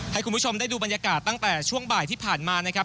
ให้คุณผู้ชมได้ดูบรรยากาศตั้งแต่ช่วงบ่ายที่ผ่านมานะครับ